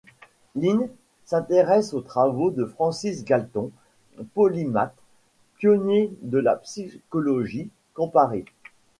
Lynn s'intéresse aux travaux de Francis Galton, polymathe pionnier de la psychologie comparée.